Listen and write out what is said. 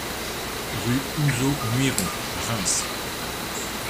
Rue Houzeau Muiron à Reims